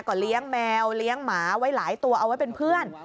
ก็เลี้ยงแมวเลี้ยงหมาไว้หลายตัวเอาไว้เป็นเพื่อน